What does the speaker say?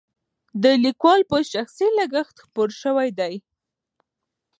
د لیکوال په شخصي لګښت خپور شوی دی.